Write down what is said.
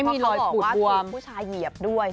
เพราะเขาบอกว่าผู้ชายเหยียบด้วย